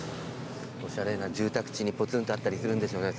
おしゃれな住宅地にぽつんとあったりするんでしょうね。